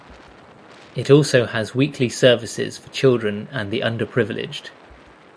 It also has weekly services for children and the underprivileged.